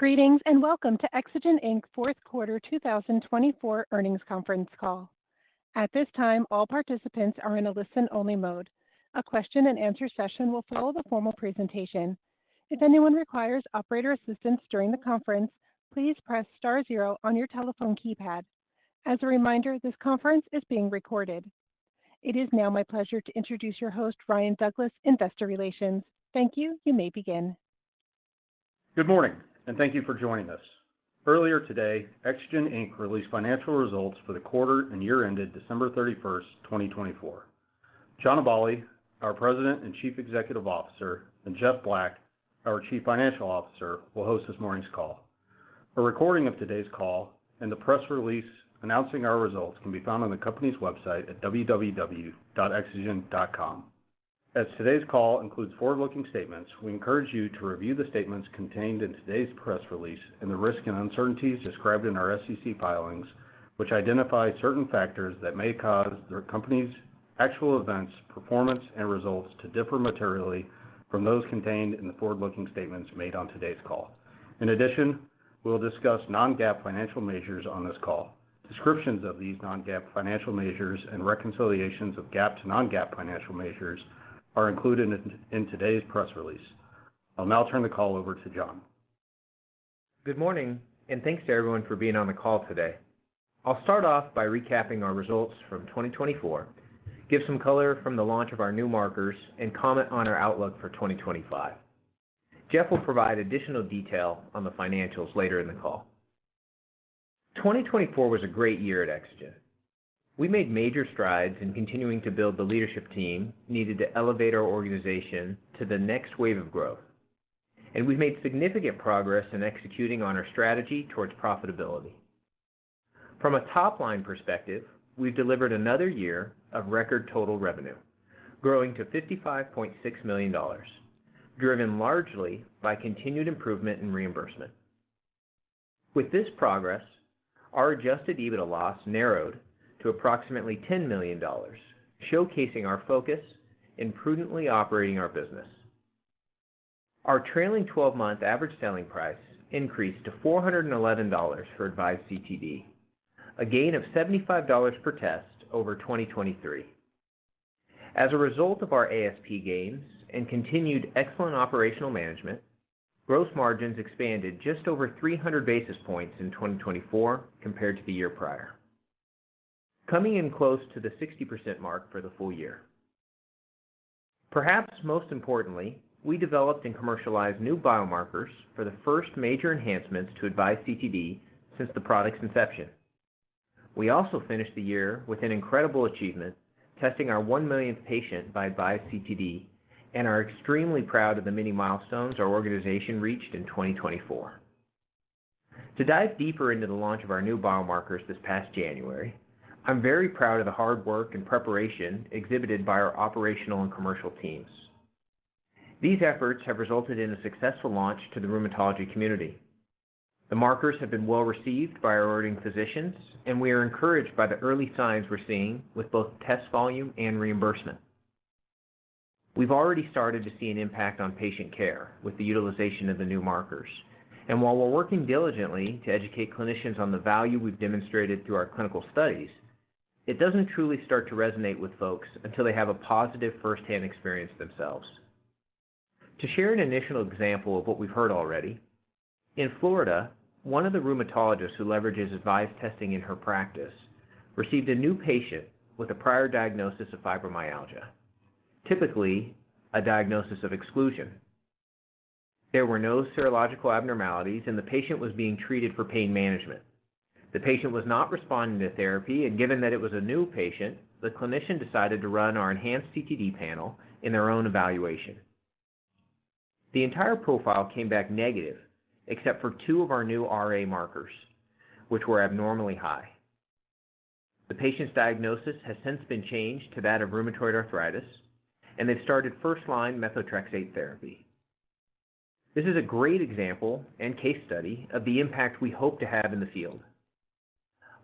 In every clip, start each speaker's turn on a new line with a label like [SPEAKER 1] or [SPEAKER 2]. [SPEAKER 1] Greetings and welcome to Exagen Fourth Quarter 2024 Earnings Conference Call. At this time, all participants are in a listen-only mode. A question-and-answer session will follow the formal presentation. If anyone requires operator assistance during the conference, please press star zero on your telephone keypad. As a reminder, this conference is being recorded. It is now my pleasure to introduce your host, Ryan Douglas, Investor Relations. Thank you. You may begin.
[SPEAKER 2] Good morning, and thank you for joining us. Earlier today, Exagen released financial results for the quarter and year-ended December 31, 2024. John Aballi, our President and Chief Executive Officer, and Jeff Black, our Chief Financial Officer, will host this morning's call. A recording of today's call and the press release announcing our results can be found on the company's website at www.exagen.com. As today's call includes forward-looking statements, we encourage you to review the statements contained in today's press release and the risk and uncertainties described in our SEC filings, which identify certain factors that may cause the company's actual events, performance, and results to differ materially from those contained in the forward-looking statements made on today's call. In addition, we'll discuss non-GAAP financial measures on this call. Descriptions of these non-GAAP financial measures and reconciliations of GAAP to non-GAAP financial measures are included in today's press release. I'll now turn the call over to John.
[SPEAKER 3] Good morning, and thanks to everyone for being on the call today. I'll start off by recapping our results from 2024, give some color from the launch of our new markers, and comment on our outlook for 2025. Jeff will provide additional detail on the financials later in the call. 2024 was a great year at Exagen. We made major strides in continuing to build the leadership team needed to elevate our organization to the next wave of growth, and we've made significant progress in executing on our strategy towards profitability. From a top-line perspective, we've delivered another year of record total revenue, growing to $55.6 million, driven largely by continued improvement in reimbursement. With this progress, our adjusted EBITDA loss narrowed to approximately $10 million, showcasing our focus in prudently operating our business. Our trailing 12-month average selling price increased to $411 for Avise CTD, a gain of $75 per test over 2023. As a result of our ASP gains and continued excellent operational management, gross margins expanded just over 300 basis points in 2024 compared to the year prior, coming in close to the 60% mark for the full year. Perhaps most importantly, we developed and commercialized new biomarkers for the first major enhancements to Avise CTD since the product's inception. We also finished the year with an incredible achievement, testing our 1 millionth patient by Avise CTD, and are extremely proud of the many milestones our organization reached in 2024. To dive deeper into the launch of our new biomarkers this past January, I'm very proud of the hard work and preparation exhibited by our operational and commercial teams. These efforts have resulted in a successful launch to the rheumatology community. The markers have been well received by our ordering physicians, and we are encouraged by the early signs we're seeing with both test volume and reimbursement. We've already started to see an impact on patient care with the utilization of the new markers, and while we're working diligently to educate clinicians on the value we've demonstrated through our clinical studies, it doesn't truly start to resonate with folks until they have a positive firsthand experience themselves. To share an initial example of what we've heard already, in Florida, one of the rheumatologists who leverages Avise testing in her practice received a new patient with a prior diagnosis of fibromyalgia, typically a diagnosis of exclusion. There were no serological abnormalities, and the patient was being treated for pain management. The patient was not responding to therapy, and given that it was a new patient, the clinician decided to run our enhanced CTD panel in their own evaluation. The entire profile came back negative, except for two of our new RA markers, which were abnormally high. The patient's diagnosis has since been changed to that of rheumatoid arthritis, and they've started first-line methotrexate therapy. This is a great example and case study of the impact we hope to have in the field.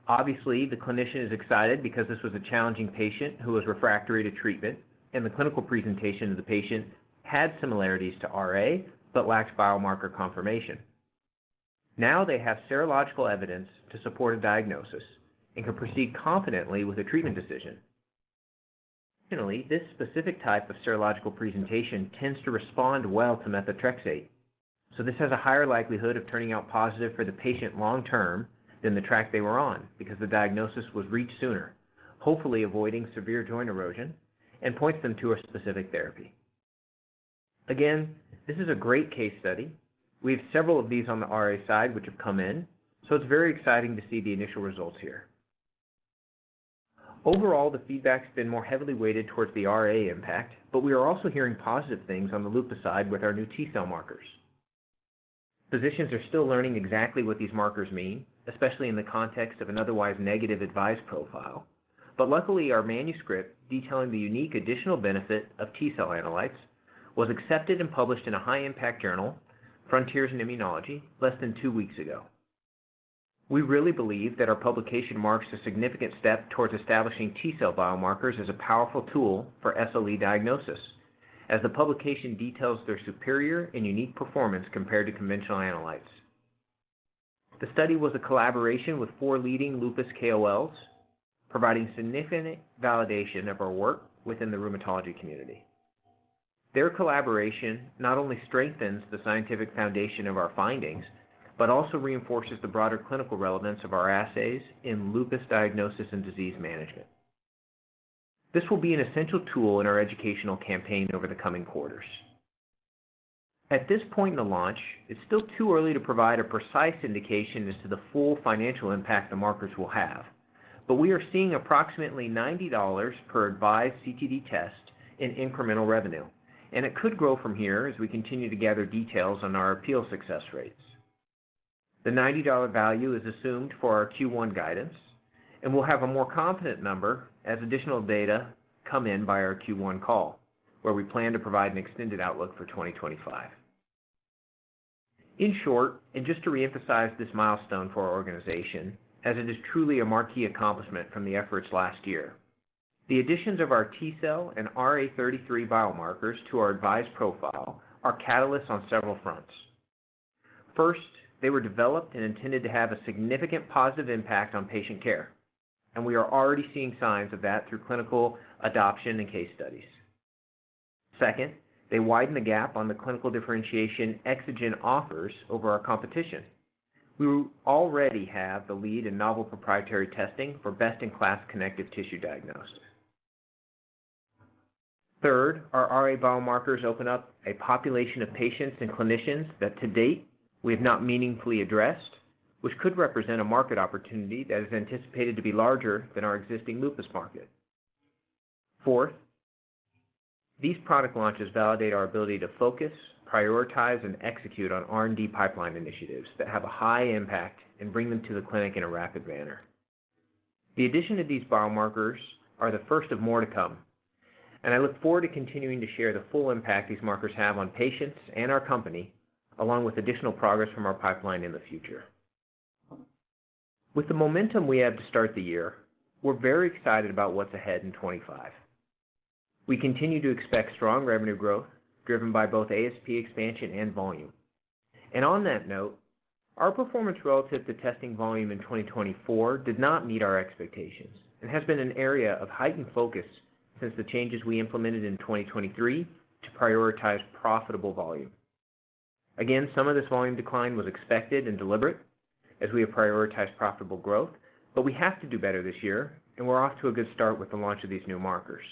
[SPEAKER 3] Obviously, the clinician is excited because this was a challenging patient who was refractory to treatment, and the clinical presentation of the patient had similarities to RA but lacked biomarker confirmation. Now they have serological evidence to support a diagnosis and can proceed confidently with a treatment decision. Additionally, this specific type of serological presentation tends to respond well to methotrexate, so this has a higher likelihood of turning out positive for the patient long-term than the track they were on because the diagnosis was reached sooner, hopefully avoiding severe joint erosion, and points them to a specific therapy. Again, this is a great case study. We have several of these on the RA side, which have come in, so it's very exciting to see the initial results here. Overall, the feedback's been more heavily weighted towards the RA impact, but we are also hearing positive things on the lupus side with our new T-cell markers. Physicians are still learning exactly what these markers mean, especially in the context of an otherwise negative Avise profile, but luckily, our manuscript detailing the unique additional benefit of T-cell analytes was accepted and published in a high-impact journal, Frontiers in Immunology, less than two weeks ago. We really believe that our publication marks a significant step towards establishing T-cell biomarkers as a powerful tool for SLE diagnosis, as the publication details their superior and unique performance compared to conventional analytes. The study was a collaboration with four leading lupus KOLs, providing significant validation of our work within the rheumatology community. Their collaboration not only strengthens the scientific foundation of our findings but also reinforces the broader clinical relevance of our assays in lupus diagnosis and disease management. This will be an essential tool in our educational campaign over the coming quarters. At this point in the launch, it's still too early to provide a precise indication as to the full financial impact the markers will have, but we are seeing approximately $90 per Avise CTD test in incremental revenue, and it could grow from here as we continue to gather details on our appeal success rates. The $90 value is assumed for our Q1 guidance, and we'll have a more confident number as additional data come in by our Q1 call, where we plan to provide an extended outlook for 2025. In short, and just to reemphasize this milestone for our organization, as it is truly a marquee accomplishment from the efforts last year, the additions of our T-cell and RA33 biomarkers to our Avise profile are catalysts on several fronts. First, they were developed and intended to have a significant positive impact on patient care, and we are already seeing signs of that through clinical adoption and case studies. Second, they widen the gap on the clinical differentiation Exagen offers over our competition. We already have the lead in novel proprietary testing for best-in-class connective tissue diagnostics. Third, our RA biomarkers open up a population of patients and clinicians that to date we have not meaningfully addressed, which could represent a market opportunity that is anticipated to be larger than our existing lupus market. Fourth, these product launches validate our ability to focus, prioritize, and execute on R&D pipeline initiatives that have a high impact and bring them to the clinic in a rapid manner. The addition of these biomarkers are the first of more to come, and I look forward to continuing to share the full impact these markers have on patients and our company, along with additional progress from our pipeline in the future. With the momentum we have to start the year, we're very excited about what's ahead in 2025. We continue to expect strong revenue growth driven by both ASP expansion and volume. On that note, our performance relative to testing volume in 2024 did not meet our expectations and has been an area of heightened focus since the changes we implemented in 2023 to prioritize profitable volume. Some of this volume decline was expected and deliberate as we have prioritized profitable growth, but we have to do better this year, and we're off to a good start with the launch of these new markers.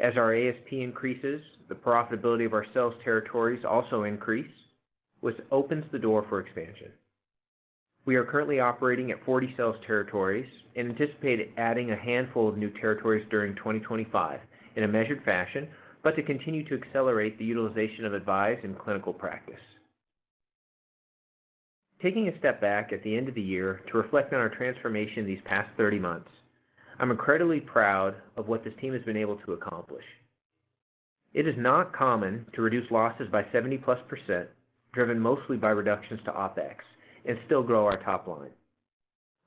[SPEAKER 3] As our ASP increases, the profitability of our sales territories also increases, which opens the door for expansion. We are currently operating at 40 sales territories and anticipate adding a handful of new territories during 2025 in a measured fashion, to continue to accelerate the utilization of Avise in clinical practice. Taking a step back at the end of the year to reflect on our transformation these past 30 months, I'm incredibly proud of what this team has been able to accomplish. It is not common to reduce losses by 70+%, driven mostly by reductions to OpEx, and still grow our top line.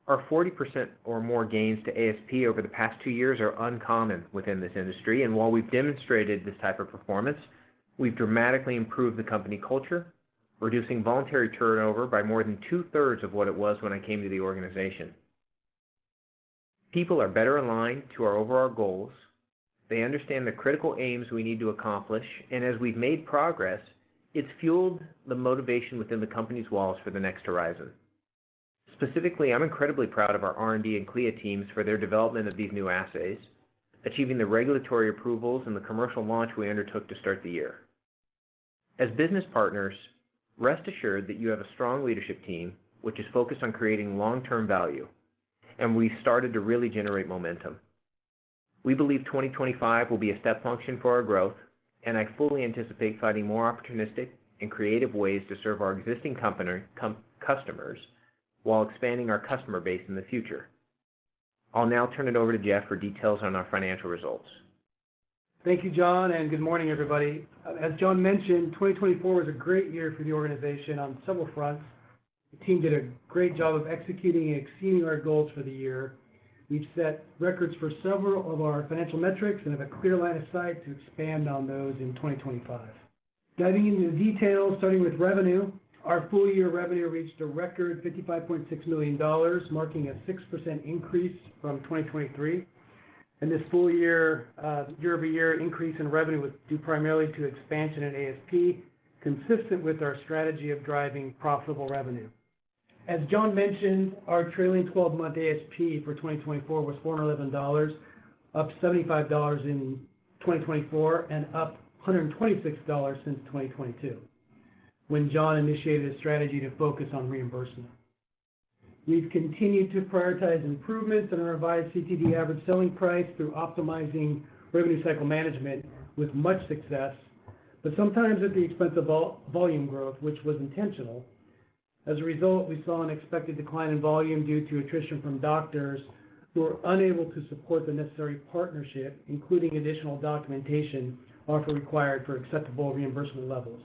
[SPEAKER 3] Our 40% or more gains to ASP over the past two years are uncommon within this industry, and while we've demonstrated this type of performance, we've dramatically improved the company culture, reducing voluntary turnover by more than two-thirds of what it was when I came to the organization. People are better aligned to our overall goals. They understand the critical aims we need to accomplish, and as we've made progress, it's fueled the motivation within the company's walls for the next horizon. Specifically, I'm incredibly proud of our R&D and CLIA teams for their development of these new assays, achieving the regulatory approvals and the commercial launch we undertook to start the year. As business partners, rest assured that you have a strong leadership team, which is focused on creating long-term value, and we've started to really generate momentum. We believe 2025 will be a step function for our growth, and I fully anticipate finding more opportunistic and creative ways to serve our existing customers while expanding our customer base in the future. I'll now turn it over to Jeff for details on our financial results.
[SPEAKER 4] Thank you, John, and good morning, everybody. As John mentioned, 2024 was a great year for the organization on several fronts. The team did a great job of executing and exceeding our goals for the year. We've set records for several of our financial metrics and have a clear line of sight to expand on those in 2025. Diving into the details, starting with revenue, our full-year revenue reached a record $55.6 million, marking a 6% increase from 2023, and this full-year year-over-year increase in revenue was due primarily to expansion in ASP, consistent with our strategy of driving profitable revenue. As John mentioned, our trailing 12-month ASP for 2024 was $411, up $75 in 2024 and up $126 since 2022, when John initiated a strategy to focus on reimbursement. We've continued to prioritize improvements in our Avise CTD average selling price through optimizing revenue cycle management with much success, but sometimes at the expense of volume growth, which was intentional. As a result, we saw an expected decline in volume due to attrition from doctors who were unable to support the necessary partnership, including additional documentation offered required for acceptable reimbursement levels.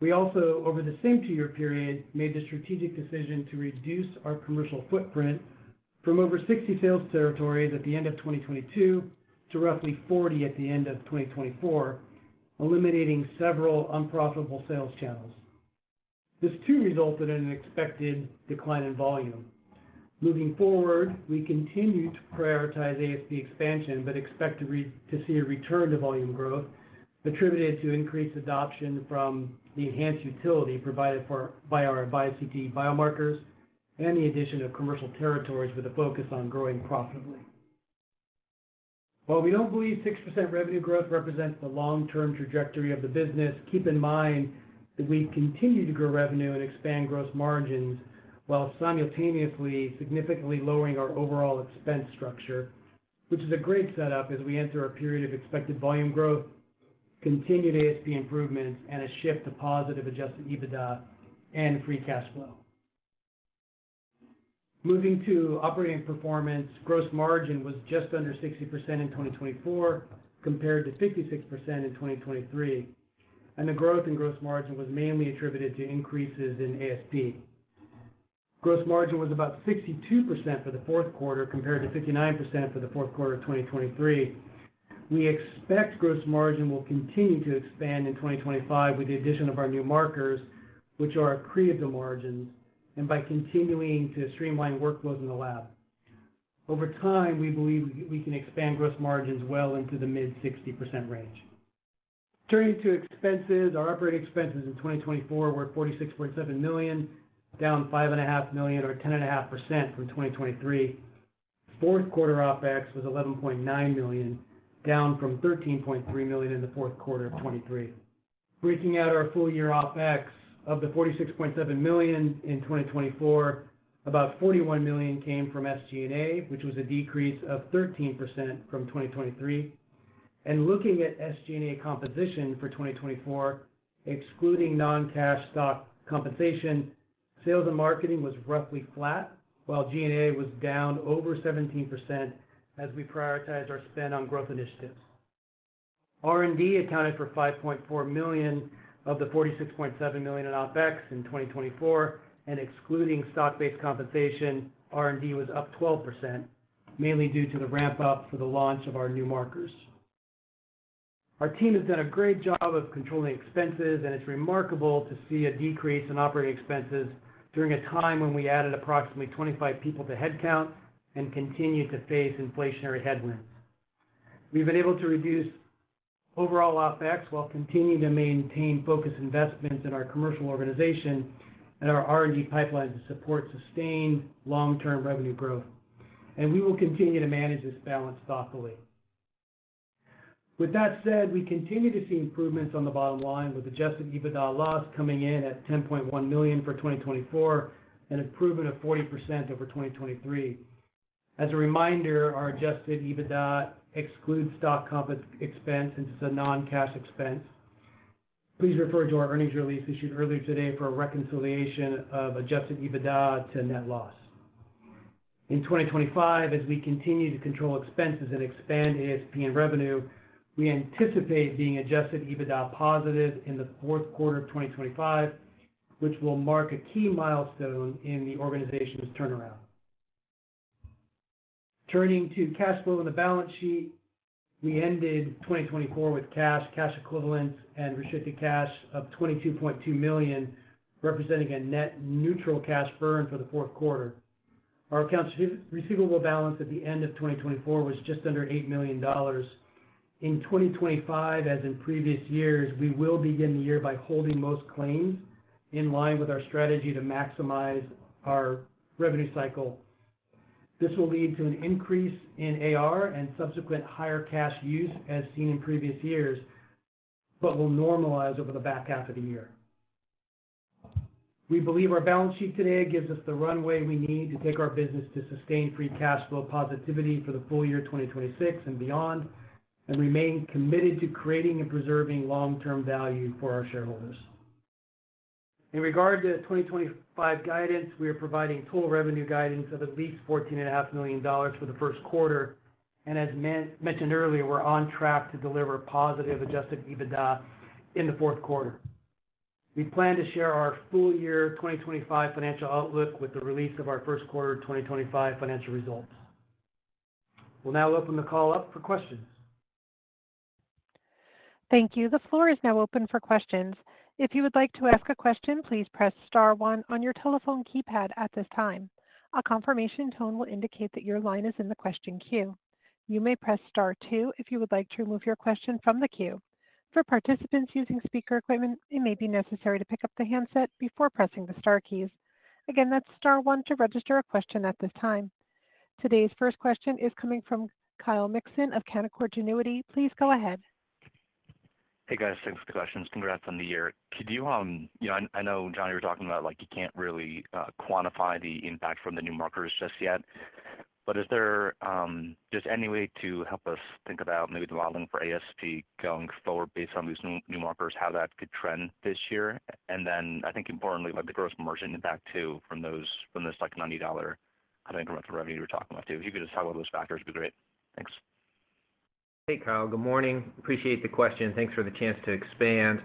[SPEAKER 4] We also, over the same two-year period, made the strategic decision to reduce our commercial footprint from over 60 sales territories at the end of 2022 to roughly 40 at the end of 2024, eliminating several unprofitable sales channels. This too resulted in an expected decline in volume. Moving forward, we continue to prioritize ASP expansion but expect to see a return to volume growth attributed to increased adoption from the enhanced utility provided by our Avise CTD biomarkers and the addition of commercial territories with a focus on growing profitably. While we don't believe 6% revenue growth represents the long-term trajectory of the business, keep in mind that we continue to grow revenue and expand gross margins while simultaneously significantly lowering our overall expense structure, which is a great setup as we enter a period of expected volume growth, continued ASP improvements, and a shift to positive adjusted EBITDA and free cash flow. Moving to operating performance, gross margin was just under 60% in 2024 compared to 56% in 2023, and the growth in gross margin was mainly attributed to increases in ASP. Gross margin was about 62% for the fourth quarter compared to 59% for the fourth quarter of 2023. We expect gross margin will continue to expand in 2025 with the addition of our new markers, which are accretive to margins and by continuing to streamline workflows in the lab. Over time, we believe we can expand gross margins well into the mid-60% range. Turning to expenses, our operating expenses in 2024 were $46.7 million, down $5.5 million or 10.5% from 2023. Fourth quarter OpEx was $11.9 million, down from $13.3 million in the fourth quarter of 2023. Breaking out our full-year OpEx of the $46.7 million in 2024, about $41 million came from SG&A, which was a decrease of 13% from 2023. Looking at SG&A composition for 2024, excluding non-cash stock compensation, sales and marketing was roughly flat, while G&A was down over 17% as we prioritized our spend on growth initiatives. R&D accounted for $5.4 million of the $46.7 million in OpEx in 2024, and excluding stock-based compensation, R&D was up 12%, mainly due to the ramp-up for the launch of our new markers. Our team has done a great job of controlling expenses, and it's remarkable to see a decrease in operating expenses during a time when we added approximately 25 people to headcount and continued to face inflationary headwinds. We have been able to reduce overall OpEx while continuing to maintain focused investments in our commercial organization and our R&D pipeline to support sustained long-term revenue growth, and we will continue to manage this balance thoughtfully. With that said, we continue to see improvements on the bottom line with adjusted EBITDA loss coming in at $10.1 million for 2024 and improvement of 40% over 2023. As a reminder, our adjusted EBITDA excludes stock expense and is a non-cash expense. Please refer to our earnings release issued earlier today for a reconciliation of adjusted EBITDA to net loss. In 2025, as we continue to control expenses and expand ASP and revenue, we anticipate being adjusted EBITDA positive in the fourth quarter of 2025, which will mark a key milestone in the organization's turnaround. Turning to cash flow in the balance sheet, we ended 2024 with cash, cash equivalents, and restricted cash of $22.2 million, representing a net neutral cash burn for the fourth quarter. Our accounts receivable balance at the end of 2024 was just under $8 million. In 2025, as in previous years, we will begin the year by holding most claims in line with our strategy to maximize our revenue cycle. This will lead to an increase in AR and subsequent higher cash use as seen in previous years, but will normalize over the back half of the year. We believe our balance sheet today gives us the runway we need to take our business to sustain free cash flow positivity for the full year 2026 and beyond and remain committed to creating and preserving long-term value for our shareholders. In regard to 2025 guidance, we are providing total revenue guidance of at least $14.5 million for the first quarter, and as mentioned earlier, we're on track to deliver positive adjusted EBITDA in the fourth quarter. We plan to share our full-year 2025 financial outlook with the release of our first quarter 2025 financial results. We'll now open the call up for questions.
[SPEAKER 1] Thank you. The floor is now open for questions. If you would like to ask a question, please press Star one on your telephone keypad at this time. A confirmation tone will indicate that your line is in the question queue. You may press Star two if you would like to remove your question from the queue. For participants using speaker equipment, it may be necessary to pick up the handset before pressing the Star keys. Again, that's Star one to register a question at this time. Today's first question is coming from Kyle Mikson of Canaccord Genuity. Please go ahead.
[SPEAKER 5] Hey, guys. Thanks for the questions. Congrats on the year. Could you—I know, John, you were talking about you can't really quantify the impact from the new markers just yet, but is there just any way to help us think about maybe the modeling for ASP going forward based on these new markers, how that could trend this year? I think importantly, the gross margin impact too from this $90 kind of incremental revenue you were talking about too. If you could just talk about those factors, it'd be great. Thanks.
[SPEAKER 3] Hey, Kyle. Good morning. Appreciate the question. Thanks for the chance to expand.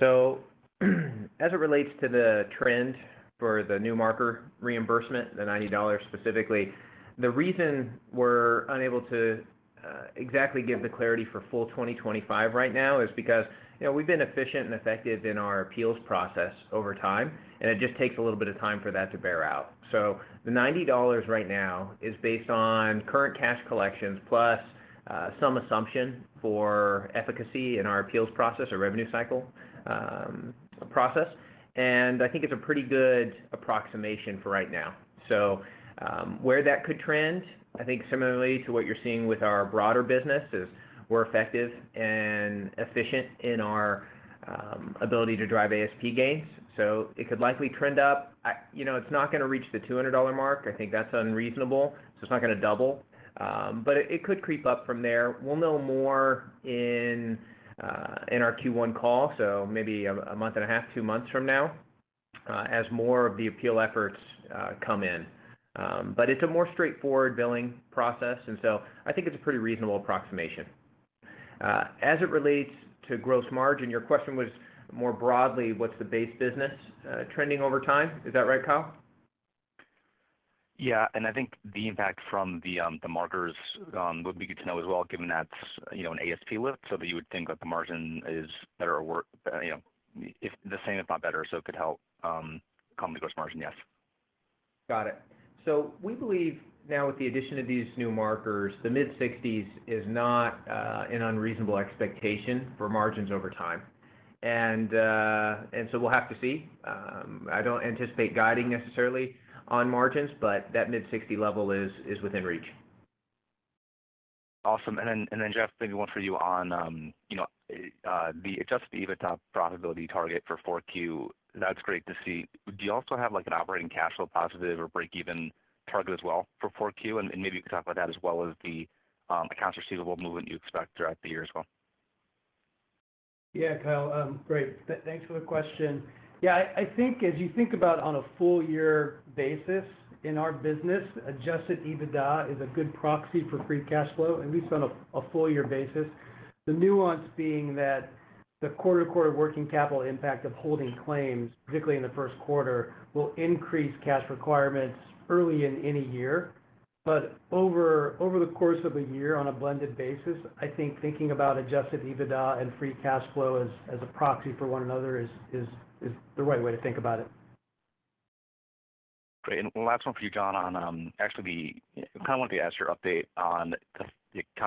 [SPEAKER 3] As it relates to the trend for the new marker reimbursement, the $90 specifically, the reason we're unable to exactly give the clarity for full 2025 right now is because we've been efficient and effective in our appeals process over time, and it just takes a little bit of time for that to bear out. The $90 right now is based on current cash collections plus some assumption for efficacy in our appeals process or revenue cycle process, and I think it's a pretty good approximation for right now. Where that could trend, I think similarly to what you're seeing with our broader business, is we're effective and efficient in our ability to drive ASP gains. It could likely trend up. It's not going to reach the $200 mark. I think that's unreasonable, so it's not going to double, but it could creep up from there. We'll know more in our Q1 call, maybe a month and a half, two months from now, as more of the appeal efforts come in. It's a more straightforward billing process, and I think it's a pretty reasonable approximation. As it relates to gross margin, your question was more broadly, what's the base business trending over time? Is that right, Kyle?
[SPEAKER 5] Yeah. I think the impact from the markers would be good to know as well, given that's an ASP lift, so that you would think that the margin is better or the same, if not better, so it could help come to gross margin, yes.
[SPEAKER 3] Got it. We believe now with the addition of these new markers, the mid-60s is not an unreasonable expectation for margins over time. We will have to see. I do not anticipate guiding necessarily on margins, but that mid-60 level is within reach.
[SPEAKER 5] Awesome. Jeff, maybe one for you on the adjusted EBITDA profitability target for Q4. That's great to see. Do you also have an operating cash flow positive or break-even target as well for Q4? Maybe you could talk about that as well as the accounts receivable movement you expect throughout the year as well.
[SPEAKER 4] Yeah, Kyle. Great. Thanks for the question. Yeah, I think as you think about on a full-year basis in our business, adjusted EBITDA is a good proxy for free cash flow, at least on a full-year basis. The nuance being that the quarter-to-quarter working capital impact of holding claims, particularly in the first quarter, will increase cash requirements early in any year. Over the course of a year on a blended basis, I think thinking about adjusted EBITDA and free cash flow as a proxy for one another is the right way to think about it.
[SPEAKER 5] Great. Last one for you, John, actually wanted to ask your update on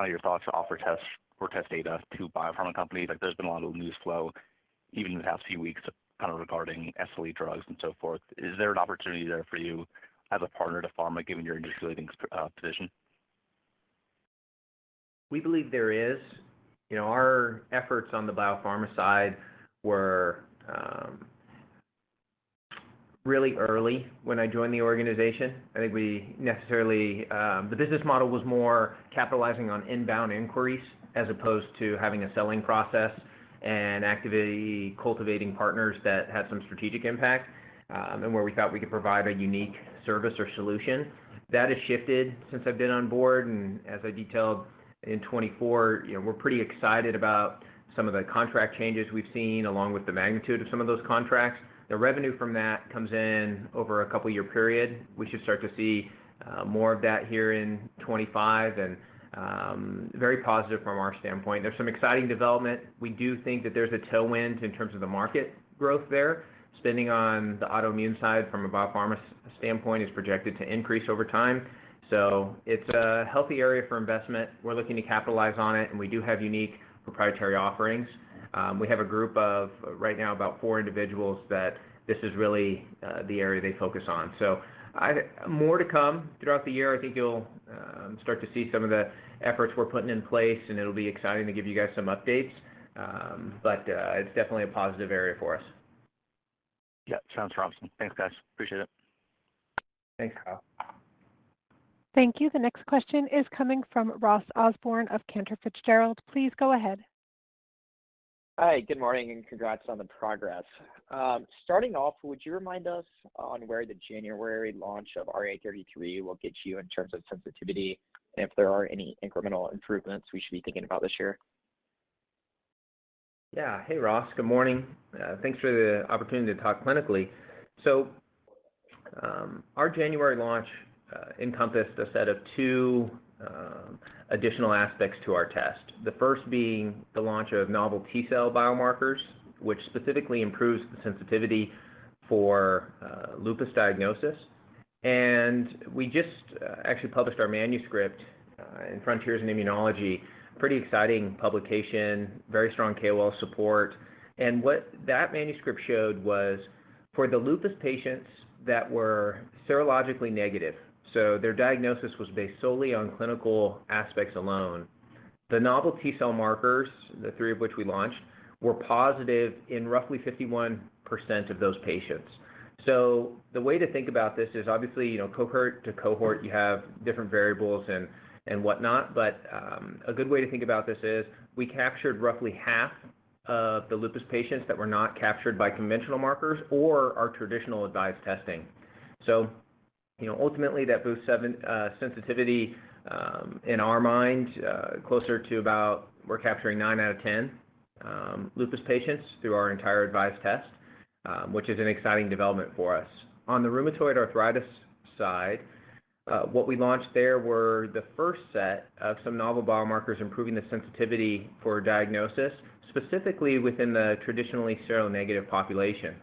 [SPEAKER 5] your thoughts to offer tests or test data to biopharma companies. There's been a lot of news flow even in the past few weeks regarding SLE drugs and so forth. Is there an opportunity there for you as a partner to pharma, given your industry-led position?
[SPEAKER 3] We believe there is. Our efforts on the biopharma side were really early when I joined the organization. I think we necessarily—the business model was more capitalizing on inbound inquiries as opposed to having a selling process and activity cultivating partners that had some strategic impact and where we thought we could provide a unique service or solution. That has shifted since I've been on board, and as I detailed in 2024, we're pretty excited about some of the contract changes we've seen along with the magnitude of some of those contracts. The revenue from that comes in over a couple-year period. We should start to see more of that here in 2025 and very positive from our standpoint. There's some exciting development. We do think that there's a tailwind in terms of the market growth there. Spending on the autoimmune side from a biopharma standpoint is projected to increase over time. It is a healthy area for investment. We are looking to capitalize on it, and we do have unique proprietary offerings. We have a group of right now about four individuals that this is really the area they focus on. More to come throughout the year. I think you will start to see some of the efforts we are putting in place, and it will be exciting to give you guys some updates. It is definitely a positive area for us.
[SPEAKER 5] Yeah. Sounds promising. Thanks, guys. Appreciate it.
[SPEAKER 3] Thanks, Kyle.
[SPEAKER 1] Thank you. The next question is coming from Ross Osborn of Cantor Fitzgerald. Please go ahead.
[SPEAKER 6] Hi. Good morning and congrats on the progress. Starting off, would you remind us on where the January launch of RA33 will get you in terms of sensitivity and if there are any incremental improvements we should be thinking about this year?
[SPEAKER 3] Yeah. Hey, Ross. Good morning. Thanks for the opportunity to talk clinically. Our January launch encompassed a set of two additional aspects to our test. The first being the launch of novel T-cell biomarkers, which specifically improves the sensitivity for lupus diagnosis. We just actually published our manuscript in Frontiers in Immunology, pretty exciting publication, very strong KOL support. What that manuscript showed was for the lupus patients that were serologically negative, so their diagnosis was based solely on clinical aspects alone, the novel T-cell markers, the three of which we launched, were positive in roughly 51% of those patients. The way to think about this is obviously cohort to cohort, you have different variables and whatnot, but a good way to think about this is we captured roughly half of the lupus patients that were not captured by conventional markers or our traditional Avise testing. Ultimately, that boosts sensitivity in our mind closer to about we're capturing 9 out of 10 lupus patients through our entire Avise test, which is an exciting development for us. On the rheumatoid arthritis side, what we launched there were the first set of some novel biomarkers improving the sensitivity for diagnosis, specifically within the traditionally seronegative population.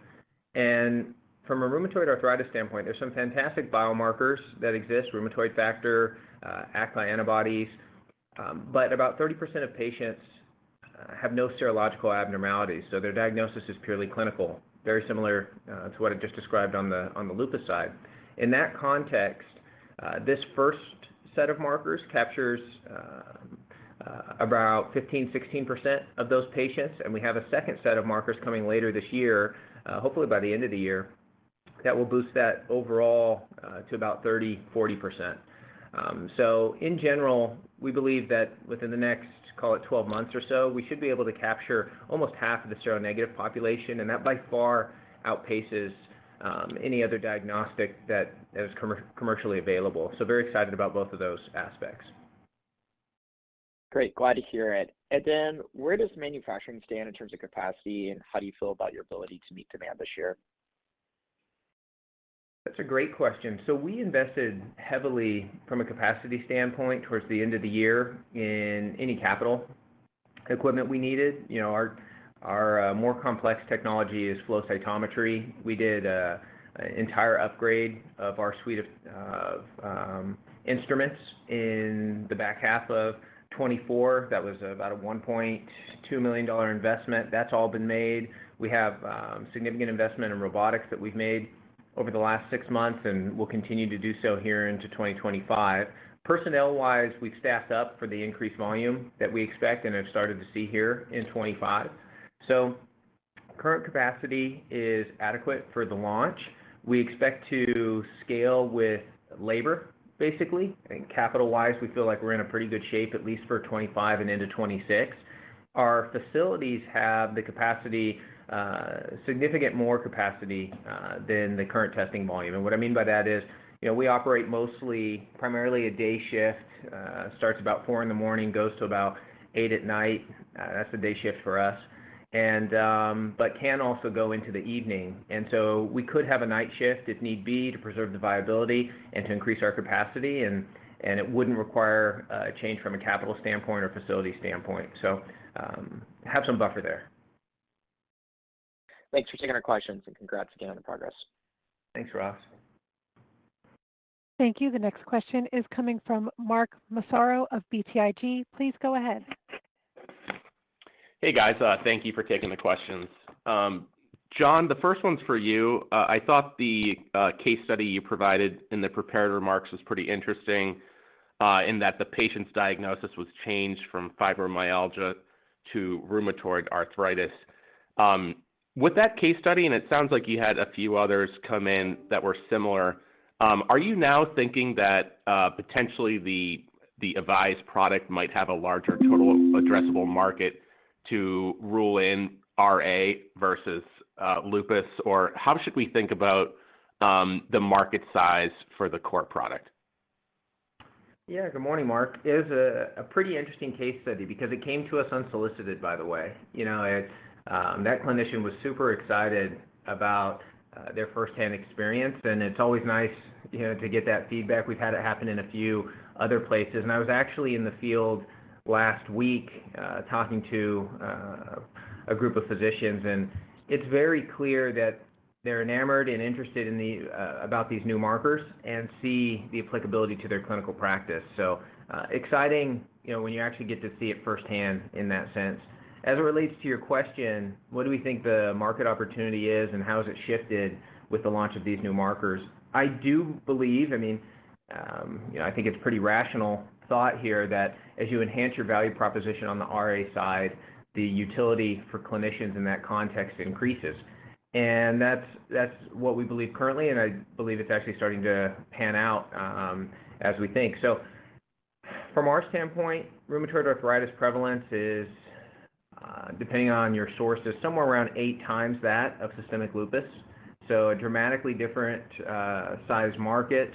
[SPEAKER 3] From a rheumatoid arthritis standpoint, there's some fantastic biomarkers that exist, rheumatoid factor, ACPA antibodies, but about 30% of patients have no serological abnormalities, so their diagnosis is purely clinical, very similar to what I just described on the lupus side. In that context, this first set of markers captures about 15%-16% of those patients, and we have a second set of markers coming later this year, hopefully by the end of the year, that will boost that overall to about 30%-40%. In general, we believe that within the next, call it, 12 months or so, we should be able to capture almost half of the seronegative population, and that by far outpaces any other diagnostic that is commercially available. Very excited about both of those aspects.
[SPEAKER 6] Great. Glad to hear it. Where does manufacturing stand in terms of capacity, and how do you feel about your ability to meet demand this year?
[SPEAKER 3] That's a great question. We invested heavily from a capacity standpoint towards the end of the year in any capital equipment we needed. Our more complex technology is flow cytometry. We did an entire upgrade of our suite of instruments in the back half of 2024. That was about a $1.2 million investment. That's all been made. We have significant investment in robotics that we've made over the last six months and will continue to do so here into 2025. Personnel-wise, we've staffed up for the increased volume that we expect and have started to see here in 2025. Current capacity is adequate for the launch. We expect to scale with labor, basically. Capital-wise, we feel like we're in pretty good shape, at least for 2025 and into 2026. Our facilities have the capacity, significant more capacity than the current testing volume. What I mean by that is we operate mostly primarily a day shift, starts about 4:00 A.M., goes to about 8:00 P.M. That's the day shift for us, but can also go into the evening. We could have a night shift if need be to preserve the viability and to increase our capacity, and it would not require a change from a capital standpoint or facility standpoint. We have some buffer there.
[SPEAKER 6] Thanks for taking our questions and congrats again on the progress.
[SPEAKER 3] Thanks, Ross.
[SPEAKER 1] Thank you. The next question is coming from Mark Massaro of BTIG. Please go ahead.
[SPEAKER 7] Hey, guys. Thank you for taking the questions. John, the first one's for you. I thought the case study you provided in the prepared remarks was pretty interesting in that the patient's diagnosis was changed from fibromyalgia to rheumatoid arthritis. With that case study, and it sounds like you had a few others come in that were similar, are you now thinking that potentially the Avise product might have a larger total addressable market to rule in RA versus lupus, or how should we think about the market size for the core product?
[SPEAKER 3] Yeah. Good morning, Mark. It is a pretty interesting case study because it came to us unsolicited, by the way. That clinician was super excited about their firsthand experience, and it's always nice to get that feedback. We've had it happen in a few other places. I was actually in the field last week talking to a group of physicians, and it's very clear that they're enamored and interested about these new markers and see the applicability to their clinical practice. Exciting when you actually get to see it firsthand in that sense. As it relates to your question, what do we think the market opportunity is and how has it shifted with the launch of these new markers? I do believe, I mean, I think it's pretty rational thought here that as you enhance your value proposition on the RA side, the utility for clinicians in that context increases. That's what we believe currently, and I believe it's actually starting to pan out as we think. From our standpoint, rheumatoid arthritis prevalence is, depending on your sources, somewhere around eight times that of systemic lupus. A dramatically different size market.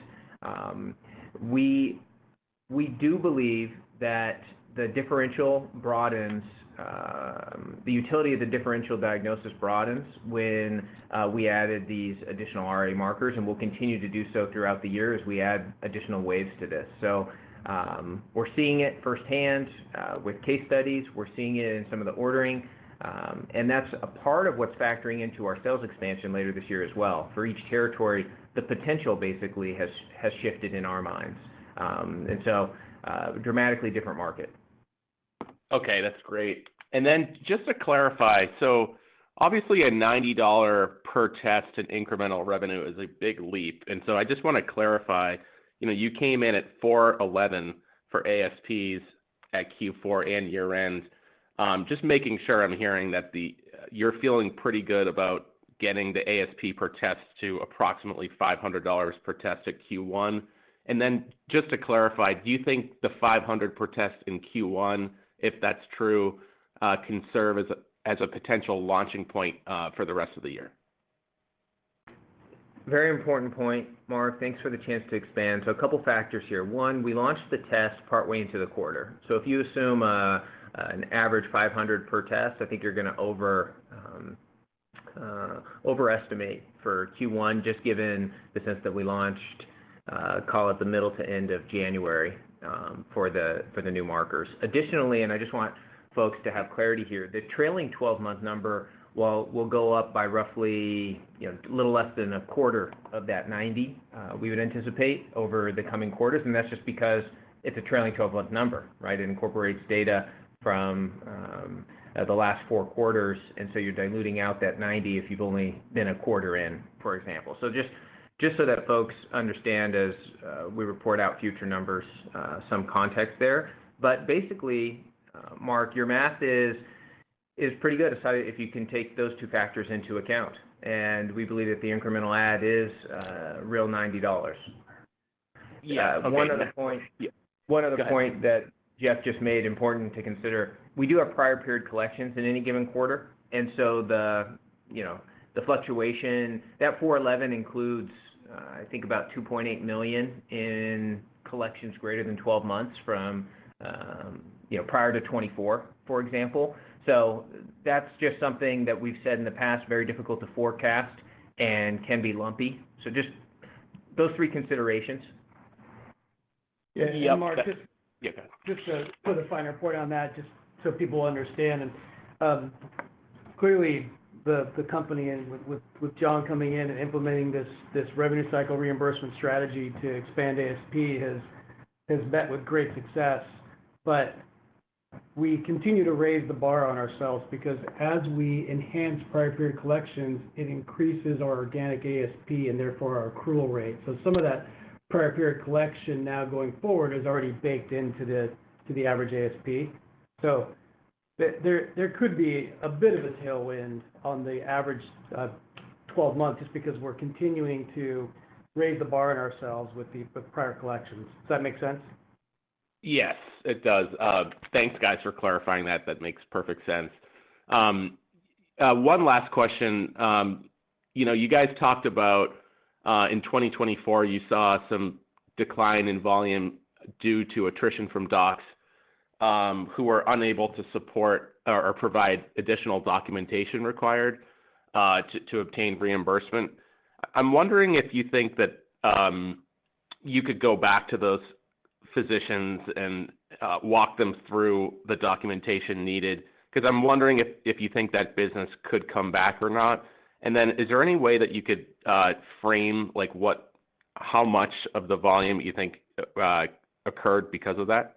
[SPEAKER 3] We do believe that the differential broadens, the utility of the differential diagnosis broadens when we added these additional RA markers, and we'll continue to do so throughout the year as we add additional waves to this. We're seeing it firsthand with case studies. We're seeing it in some of the ordering, and that's a part of what's factoring into our sales expansion later this year as well. For each territory, the potential basically has shifted in our minds. It is a dramatically different market.
[SPEAKER 7] Okay. That's great. Just to clarify, obviously a $90 per test in incremental revenue is a big leap. I just want to clarify, you came in at $411 for ASPs at Q4 and year-end. Just making sure I'm hearing that you're feeling pretty good about getting the ASP per test to approximately $500 per test at Q1. Just to clarify, do you think the $500 per test in Q1, if that's true, can serve as a potential launching point for the rest of the year?
[SPEAKER 3] Very important point, Mark. Thanks for the chance to expand. A couple of factors here. One, we launched the test partway into the quarter. If you assume an average $500 per test, I think you're going to overestimate for Q1 just given the sense that we launched, call it the middle to end of January for the new markers. Additionally, I just want folks to have clarity here, the trailing 12-month number will go up by roughly a little less than a quarter of that 90 we would anticipate over the coming quarters. That is just because it's a trailing 12-month number, right? It incorporates data from the last four quarters, and you are diluting out that 90 if you've only been a quarter in, for example. Just so that folks understand as we report out future numbers, some context there. Basically, Mark, your math is pretty good aside if you can take those two factors into account. We believe that the incremental add is a real $90.
[SPEAKER 7] Yeah. One other point. One other point that Jeff just made important to consider. We do have prior period collections in any given quarter, and the fluctuation, that 411 includes, I think, about $2.8 million in collections greater than 12 months from prior to 2024, for example. That is just something that we have said in the past, very difficult to forecast and can be lumpy. Just those three considerations.
[SPEAKER 3] Yeah. Mark, just to put a finer point on that, just so people understand, clearly the company with John coming in and implementing this revenue cycle reimbursement strategy to expand ASP has met with great success. We continue to raise the bar on ourselves because as we enhance prior period collections, it increases our organic ASP and therefore our accrual rate. Some of that prior period collection now going forward is already baked into the average ASP. There could be a bit of a tailwind on the average 12 months just because we're continuing to raise the bar on ourselves with the prior collections. Does that make sense?
[SPEAKER 7] Yes, it does. Thanks, guys, for clarifying that. That makes perfect sense. One last question. You guys talked about in 2024, you saw some decline in volume due to attrition from docs who were unable to support or provide additional documentation required to obtain reimbursement. I'm wondering if you think that you could go back to those physicians and walk them through the documentation needed because I'm wondering if you think that business could come back or not. Is there any way that you could frame how much of the volume you think occurred because of that?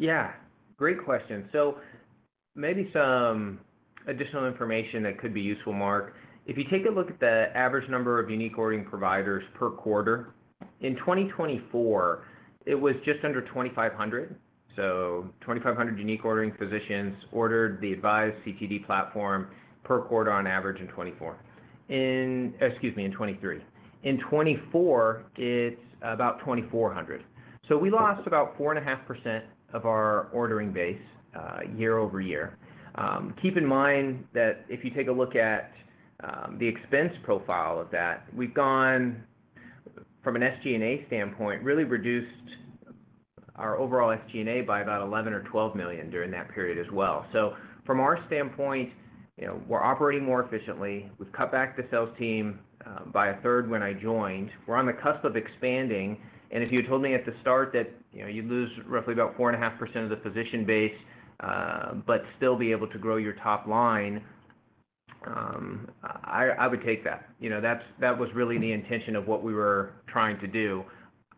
[SPEAKER 3] Yeah. Great question. Maybe some additional information that could be useful, Mark. If you take a look at the average number of unique ordering providers per quarter, in 2024, it was just under 2,500. So 2,500 unique ordering physicians ordered the Avise CTD platform per quarter on average in 2023. Excuse me, in 2023. In 2024, it's about 2,400. We lost about 4.5% of our ordering base year over year. Keep in mind that if you take a look at the expense profile of that, we've gone from an SG&A standpoint, really reduced our overall SG&A by about $11 million or $12 million during that period as well. From our standpoint, we're operating more efficiently. We've cut back the sales team by a third when I joined. We're on the cusp of expanding. If you had told me at the start that you'd lose roughly about 4.5% of the physician base but still be able to grow your top line, I would take that. That was really the intention of what we were trying to do.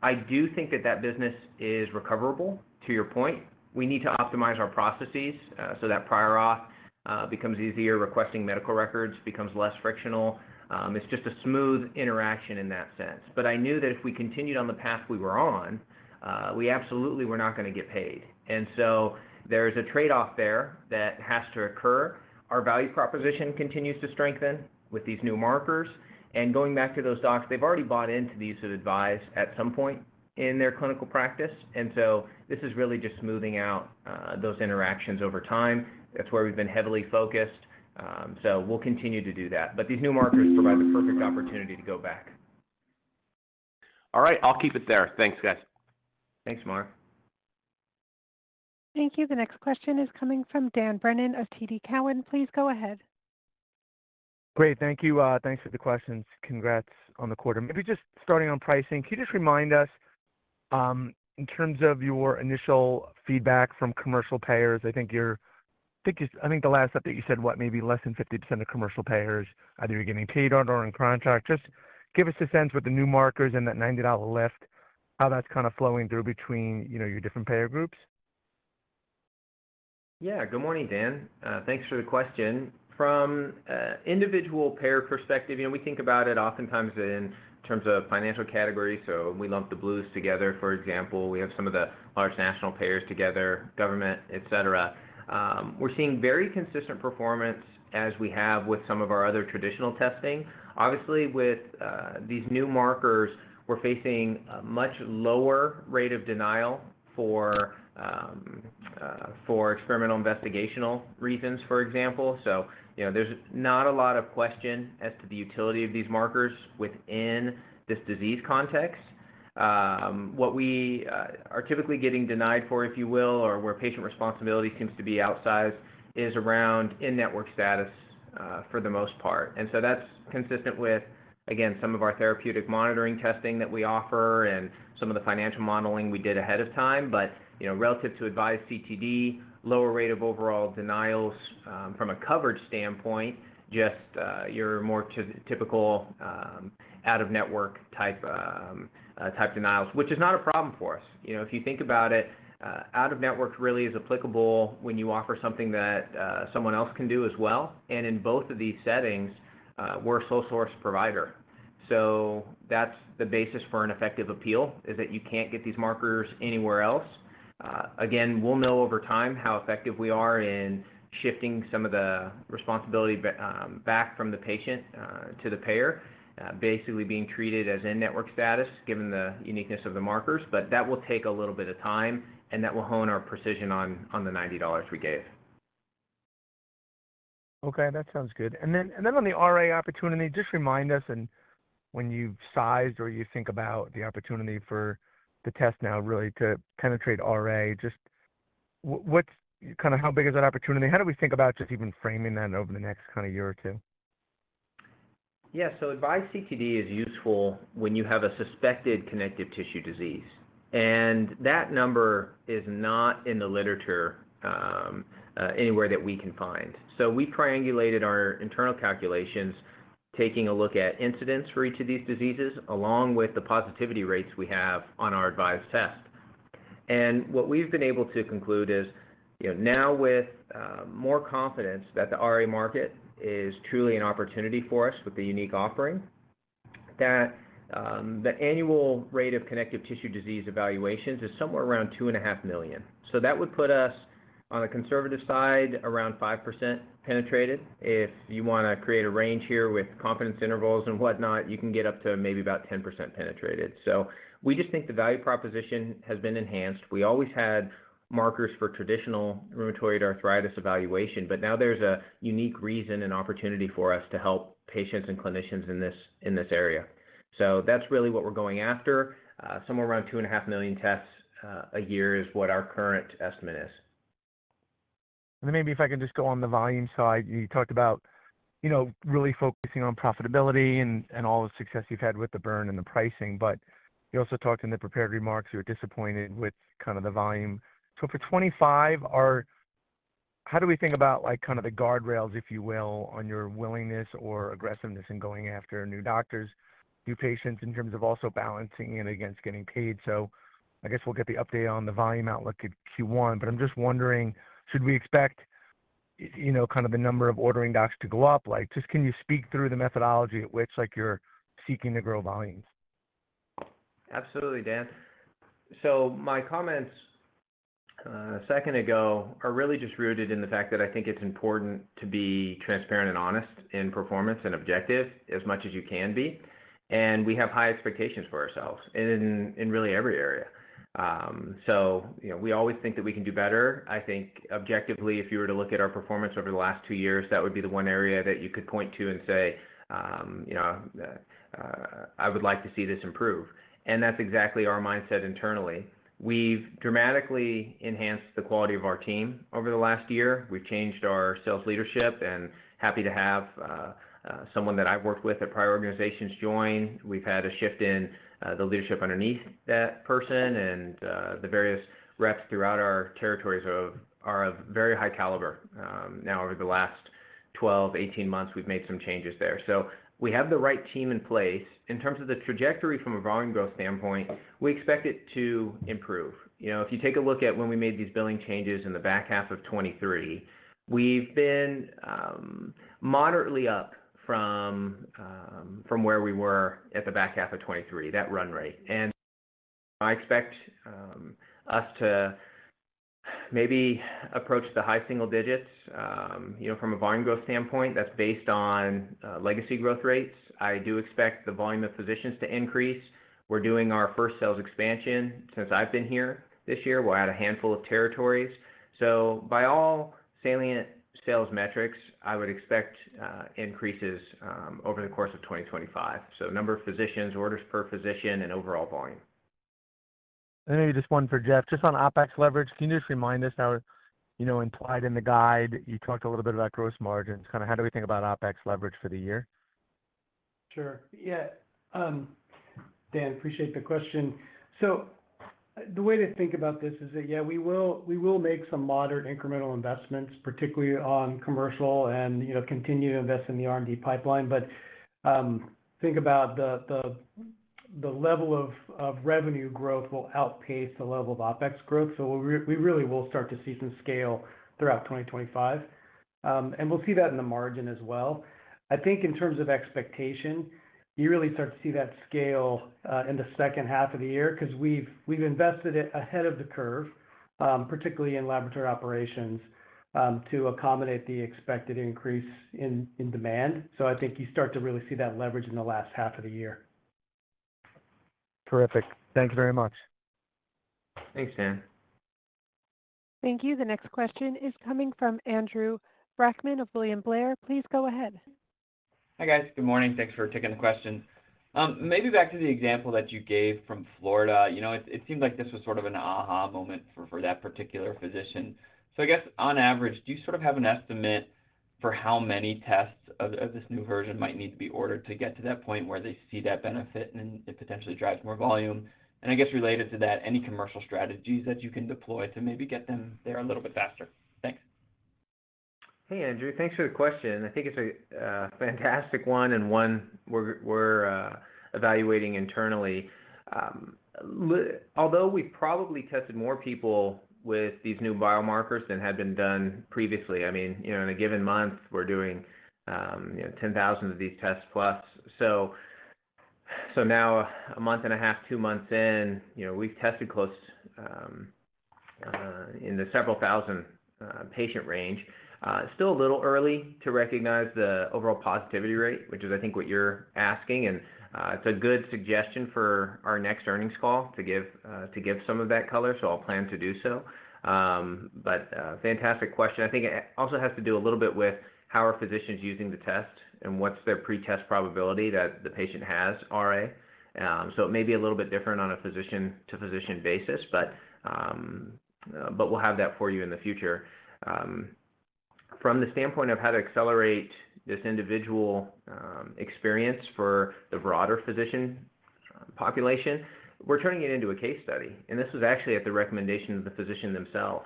[SPEAKER 3] I do think that that business is recoverable to your point. We need to optimize our processes so that prior auth becomes easier, requesting medical records becomes less frictional. It's just a smooth interaction in that sense. I knew that if we continued on the path we were on, we absolutely were not going to get paid. There is a trade-off there that has to occur. Our value proposition continues to strengthen with these new markers. Going back to those docs, they've already bought into the use of Avise at some point in their clinical practice. This is really just smoothing out those interactions over time. That is where we have been heavily focused. We will continue to do that. These new markers provide the perfect opportunity to go back.
[SPEAKER 7] All right. I'll keep it there. Thanks, guys.
[SPEAKER 3] Thanks, Mark.
[SPEAKER 1] Thank you. The next question is coming from Dan Brennan of TD Cowen. Please go ahead.
[SPEAKER 8] Great. Thank you. Thanks for the questions. Congrats on the quarter. Maybe just starting on pricing, can you just remind us in terms of your initial feedback from commercial payers? I think the last step that you said, what, maybe less than 50% of commercial payers, either you're getting paid on or in contract. Just give us a sense with the new markers and that $90 lift, how that's kind of flowing through between your different payer groups.
[SPEAKER 3] Yeah. Good morning, Dan. Thanks for the question. From an individual payer perspective, we think about it oftentimes in terms of financial categories. We lump the Blues together, for example. We have some of the large national payers together, government, etc. We're seeing very consistent performance as we have with some of our other traditional testing. Obviously, with these new markers, we're facing a much lower rate of denial for experimental investigational reasons, for example. There's not a lot of question as to the utility of these markers within this disease context. What we are typically getting denied for, if you will, or where patient responsibility seems to be outsized, is around in-network status for the most part. That's consistent with, again, some of our therapeutic monitoring testing that we offer and some of the financial modeling we did ahead of time. Relative to Avise CTD, lower rate of overall denials from a coverage standpoint, just your more typical out-of-network type denials, which is not a problem for us. If you think about it, out-of-network really is applicable when you offer something that someone else can do as well. In both of these settings, we're a sole source provider. That's the basis for an effective appeal, is that you can't get these markers anywhere else. Again, we'll know over time how effective we are in shifting some of the responsibility back from the patient to the payer, basically being treated as in-network status given the uniqueness of the markers. That will take a little bit of time, and that will hone our precision on the $90 we gave.
[SPEAKER 8] Okay. That sounds good. On the RA opportunity, just remind us when you've sized or you think about the opportunity for the test now really to penetrate RA, just kind of how big is that opportunity? How do we think about just even framing that over the next kind of year or two?
[SPEAKER 3] Yeah. So Avise CTD is useful when you have a suspected connective tissue disease. That number is not in the literature anywhere that we can find. We triangulated our internal calculations taking a look at incidence for each of these diseases along with the positivity rates we have on our Avise test. What we've been able to conclude is now with more confidence that the RA market is truly an opportunity for us with the unique offering, that the annual rate of connective tissue disease evaluations is somewhere around 2.5 million. That would put us on the conservative side around 5% penetrated. If you want to create a range here with confidence intervals and whatnot, you can get up to maybe about 10% penetrated. We just think the value proposition has been enhanced. We always had markers for traditional rheumatoid arthritis evaluation, but now there's a unique reason and opportunity for us to help patients and clinicians in this area. That is really what we're going after. Somewhere around 2.5 million tests a year is what our current estimate is.
[SPEAKER 8] Maybe if I can just go on the volume side, you talked about really focusing on profitability and all the success you've had with the burn and the pricing. You also talked in the prepared remarks you were disappointed with kind of the volume. For 2025, how do we think about kind of the guardrails, if you will, on your willingness or aggressiveness in going after new doctors, new patients in terms of also balancing it against getting paid? I guess we'll get the update on the volume outlook at Q1. I'm just wondering, should we expect kind of the number of ordering docs to go up? Can you speak through the methodology at which you're seeking to grow volumes?
[SPEAKER 3] Absolutely, Dan. My comments a second ago are really just rooted in the fact that I think it's important to be transparent and honest in performance and objective as much as you can be. We have high expectations for ourselves in really every area. We always think that we can do better. I think objectively, if you were to look at our performance over the last two years, that would be the one area that you could point to and say, "I would like to see this improve." That's exactly our mindset internally. We've dramatically enhanced the quality of our team over the last year. We've changed our sales leadership and are happy to have someone that I've worked with at prior organizations join. We've had a shift in the leadership underneath that person. The various reps throughout our territories are of very high caliber. Now, over the last 12-18 months, we've made some changes there. We have the right team in place. In terms of the trajectory from a volume growth standpoint, we expect it to improve. If you take a look at when we made these billing changes in the back half of 2023, we've been moderately up from where we were at the back half of 2023, that run rate. I expect us to maybe approach the high single digits from a volume growth standpoint. That's based on legacy growth rates. I do expect the volume of physicians to increase. We're doing our first sales expansion since I've been here this year. We'll add a handful of territories. By all salient sales metrics, I would expect increases over the course of 2025. Number of physicians, orders per physician, and overall volume.
[SPEAKER 8] Maybe just one for Jeff. Just on OpEx leverage, can you just remind us how implied in the guide, you talked a little bit about gross margins. Kind of how do we think about OpEx leverage for the year?
[SPEAKER 4] Sure. Yeah. Dan, appreciate the question. The way to think about this is that, yeah, we will make some moderate incremental investments, particularly on commercial, and continue to invest in the R&D pipeline. Think about the level of revenue growth will outpace the level of OpEx growth. We really will start to see some scale throughout 2025. We'll see that in the margin as well. I think in terms of expectation, you really start to see that scale in the second half of the year because we've invested ahead of the curve, particularly in laboratory operations, to accommodate the expected increase in demand. I think you start to really see that leverage in the last half of the year.
[SPEAKER 8] Terrific. Thanks very much.
[SPEAKER 3] Thanks, Dan.
[SPEAKER 1] Thank you. The next question is coming from Andrew Brackman of William Blair. Please go ahead.
[SPEAKER 9] Hi, guys. Good morning. Thanks for taking the question. Maybe back to the example that you gave from Florida, it seemed like this was sort of an aha moment for that particular physician. I guess on average, do you sort of have an estimate for how many tests of this new version might need to be ordered to get to that point where they see that benefit and it potentially drives more volume? I guess related to that, any commercial strategies that you can deploy to maybe get them there a little bit faster? Thanks.
[SPEAKER 3] Hey, Andrew. Thanks for the question. I think it's a fantastic one and one we're evaluating internally. Although we've probably tested more people with these new biomarkers than had been done previously, I mean, in a given month, we're doing 10,000 of these tests plus. Now a month and a half, two months in, we've tested close in the several thousand patient range. Still a little early to recognize the overall positivity rate, which is I think what you're asking. It's a good suggestion for our next earnings call to give some of that color. I'll plan to do so. Fantastic question. I think it also has to do a little bit with how are physicians using the test and what's their pretest probability that the patient has RA. It may be a little bit different on a physician-to-physician basis, but we'll have that for you in the future. From the standpoint of how to accelerate this individual experience for the broader physician population, we're turning it into a case study. This was actually at the recommendation of the physician themselves.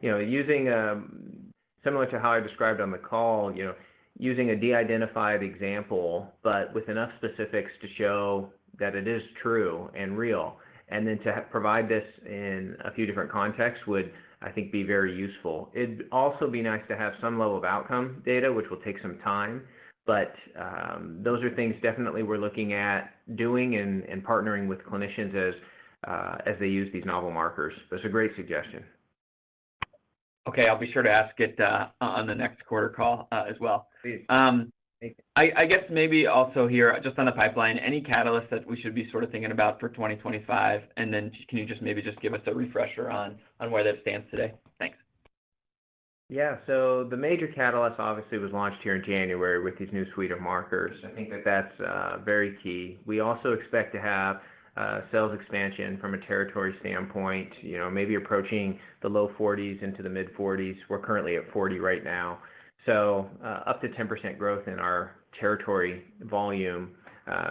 [SPEAKER 3] Using similar to how I described on the call, using a de-identified example, but with enough specifics to show that it is true and real, and then to provide this in a few different contexts would, I think, be very useful. It'd also be nice to have some level of outcome data, which will take some time. Those are things definitely we're looking at doing and partnering with clinicians as they use these novel markers. That's a great suggestion.
[SPEAKER 9] Okay. I'll be sure to ask it on the next quarter call as well.
[SPEAKER 3] Please.
[SPEAKER 9] I guess maybe also here, just on the pipeline, any catalysts that we should be sort of thinking about for 2025? Can you just maybe just give us a refresher on where that stands today? Thanks.
[SPEAKER 3] Yeah. The major catalyst obviously was launched here in January with this new suite of markers. I think that that's very key. We also expect to have sales expansion from a territory standpoint, maybe approaching the low 40s into the mid-40s. We're currently at 40 right now. Up to 10% growth in our territory volume.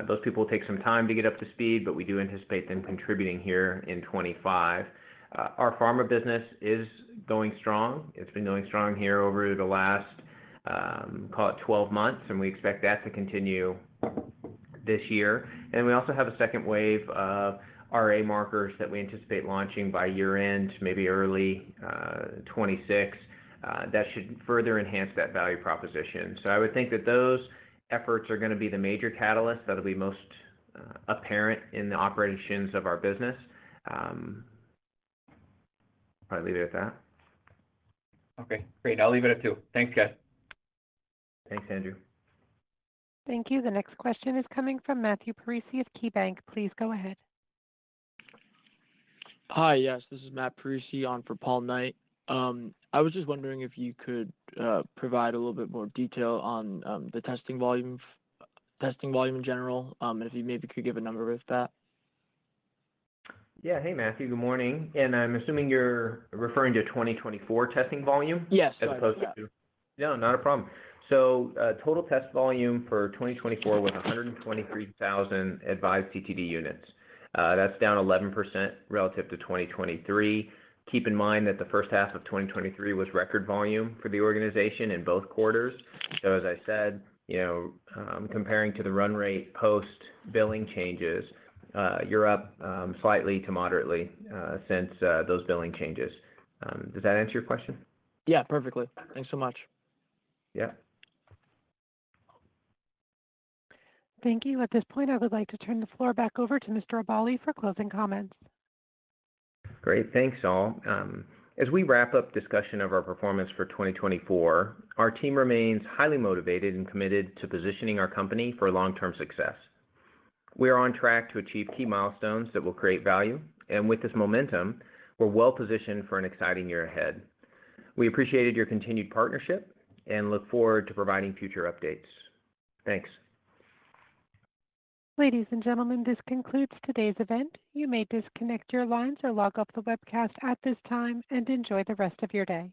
[SPEAKER 3] Those people will take some time to get up to speed, but we do anticipate them contributing here in 2025. Our pharma business is going strong. It's been going strong here over the last, call it, 12 months, and we expect that to continue this year. We also have a second wave of RA markers that we anticipate launching by year-end, maybe early 2026. That should further enhance that value proposition. I would think that those efforts are going to be the major catalysts that will be most apparent in the operations of our business. Probably leave it at that.
[SPEAKER 10] Okay. Great. I'll leave it at two. Thanks, guys.
[SPEAKER 3] Thanks, Andrew.
[SPEAKER 1] Thank you. The next question is coming from Matthew Parisi of KeyBanc. Please go ahead.
[SPEAKER 11] Hi, yes. This is Matthew Parisi, on for Paul Knight. I was just wondering if you could provide a little bit more detail on the testing volume in general and if you maybe could give a number with that.
[SPEAKER 3] Yeah. Hey, Matthew. Good morning. I'm assuming you're referring to 2024 testing volume as opposed to.
[SPEAKER 11] Yes. Okay.
[SPEAKER 3] No, not a problem. Total test volume for 2024 was 123,000 Avise CTD units. That's down 11% relative to 2023. Keep in mind that the first half of 2023 was record volume for the organization in both quarters. As I said, comparing to the run rate post-billing changes, you're up slightly to moderately since those billing changes. Does that answer your question?
[SPEAKER 11] Yeah. Perfectly. Thanks so much.
[SPEAKER 3] Yeah.
[SPEAKER 1] Thank you. At this point, I would like to turn the floor back over to Mr. Aballi for closing comments.
[SPEAKER 3] Great. Thanks, all. As we wrap up discussion of our performance for 2024, our team remains highly motivated and committed to positioning our company for long-term success. We are on track to achieve key milestones that will create value. With this momentum, we're well-positioned for an exciting year ahead. We appreciate your continued partnership and look forward to providing future updates. Thanks.
[SPEAKER 1] Ladies and gentlemen, this concludes today's event. You may disconnect your lines or log off the webcast at this time and enjoy the rest of your day.